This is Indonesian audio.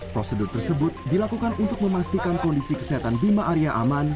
prosedur tersebut dilakukan untuk memastikan kondisi kesehatan bima arya aman